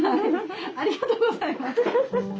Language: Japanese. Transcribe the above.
ありがとうございます。